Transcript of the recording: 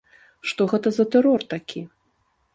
Што гэта за тэрор такі?